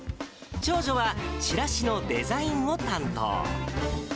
長女はチラシのデザインを担当。